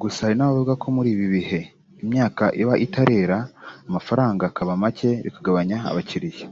gusa hari n’abavuga ko muri ibi bihe imyaka iba itarera amafaranga akaba make bikagabanya abakiriya